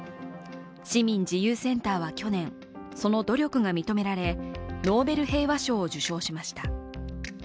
市民自由センターは去年、その努力が認められノーベル平和賞を受賞しました。